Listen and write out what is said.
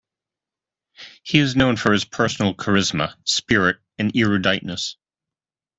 He is known for his personal charisma, spirit and eruditeness.